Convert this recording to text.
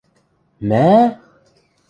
– Мӓ?!